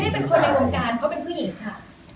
อ่าเขาไม่ได้เป็นคนในโรงการเขาเป็นผู้หญิงค่ะ